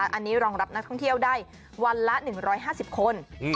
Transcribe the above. อันนี้รองรับนักท่องเที่ยวได้วันละ๑๕๐คน